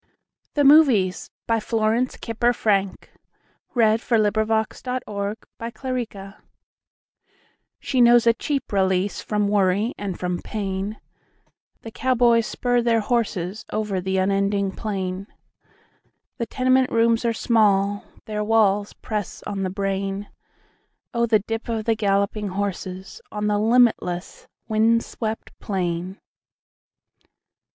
The Movies By Florence Kiper Frank SHE knows a cheap releaseFrom worry and from pain—The cowboys spur their horsesOver the unending plain. The tenement rooms are small; Their walls press on the brain. Oh, the dip of the galloping horsesOn the limitless, wind swept plain!